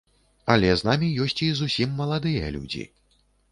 Але з намі ёсць і зусім маладыя людзі.